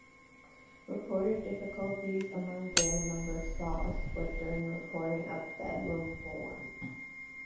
Reported difficulties among band members saw a split during the recording of "Bedlam Born".